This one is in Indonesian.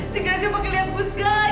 si gaisnya pake liat gue sekali